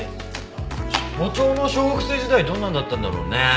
所長の小学生時代どんなんだったんだろうね？